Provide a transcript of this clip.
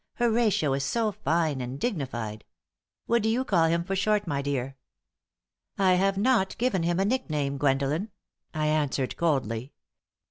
'Horatio' is so fine and dignified! What do you call him for short, my dear?" "I have not given him a nickname, Gwendolen," I answered, coldly.